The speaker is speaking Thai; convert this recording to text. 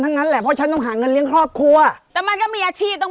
งั้นแหละเพราะฉันต้องหาเงินเลี้ยงครอบครัวแต่มันก็มีอาชีพต้อง